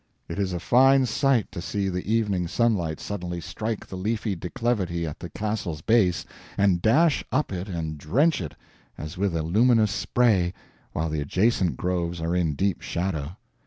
It is a fine sight to see the evening sunlight suddenly strike the leafy declivity at the Castle's base and dash up it and drench it as with a luminous spray, while the adjacent groves are in deep shadow.